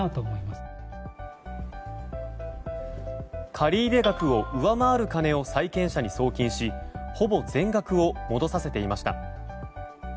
借入額を上回る金を債権者に送金しほぼ全額を戻させていました。